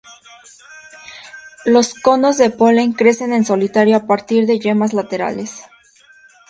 Los conos de polen crecen en solitario a partir de yemas laterales.